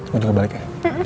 gue juga balik ya